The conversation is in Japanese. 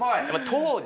当時。